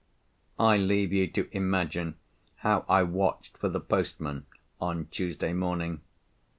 I leave you to imagine how I watched for the postman on Tuesday morning.